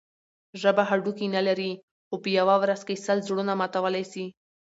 ژبه هډوکی نه لري؛ خو په یوه ورځ کښي سل زړونه ماتولای سي.